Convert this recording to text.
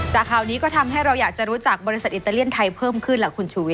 แต่ข่าวนี้ก็ทำให้เราอยากจะรู้จักบริษัทอิตาเลียนไทยเพิ่มขึ้นล่ะคุณชูวิท